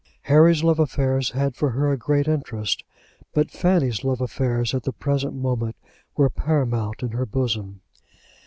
Harry's love affairs had for her a great interest, but Fanny's love affairs at the present moment were paramount in her bosom.